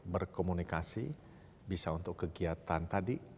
berkomunikasi bisa untuk kegiatan tadi